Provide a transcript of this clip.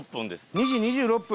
２時２６分。